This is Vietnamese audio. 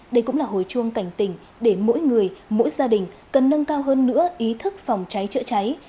đây cũng là hồi chuông cảnh tỉnh để mỗi người mỗi gia đình cần nâng cao hơn nữa ý thức phòng cháy chữa cháy